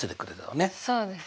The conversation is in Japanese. そうです。